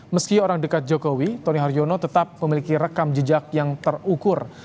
meski orang dekat jokowi tony haryono tetap memiliki rekam jejak yang terukur